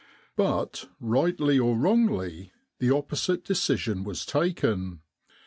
But, rightly or wrongly, the opposite decision was taken.